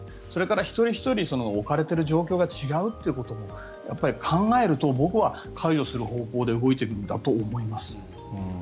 それから、一人ひとり置かれている状況が違うってことも考えると、僕は解除する方向で動いているんだと思います。